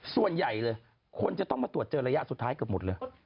ส่วนใหญ่เลยคนจะต้องมาตรวจเจอระยะสุดท้ายเกือบหมดเลย